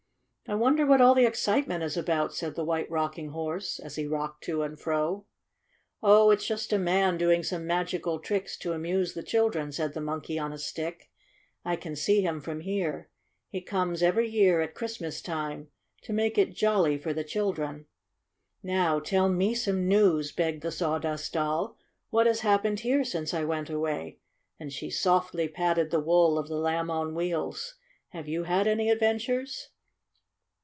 "I wonder what all the excitement is about," said the White Rocking Horse, as he rocked to and fro. "Oh, it's just a man doing some magi cal tricks to amuse the children," said the Monkey on a Stick. "I can see him from here. He comes every year at Christmas time to make it jolly for the children." "Now tell me some news!" begged the* Sawdust Doll. "What has happened here since I went away?" and she softly patted the wool of the Lamb on Wheels. "Have you had any adventures